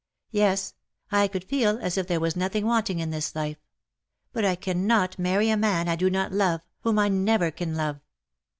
Yes, I could feel as if there were nothing wanting in this life. But I cannot marry a man I do not love, whom I never can love.